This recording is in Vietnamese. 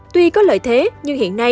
tuy có lợi thế nhưng hiện nay